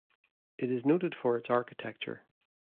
It is noted for its architecture.